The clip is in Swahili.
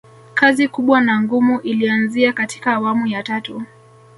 kazi kubwa na ngumu ilianzia katika awamu ya tatu